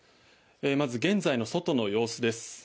まず現在の外の様子です。